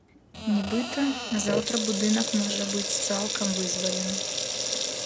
Нібыта, заўтра будынак можа быць цалкам вызвалены.